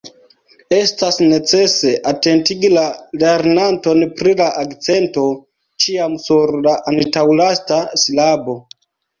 Estas necese atentigi la lernanton pri la akcento ĉiam sur la antaŭlasta silabo.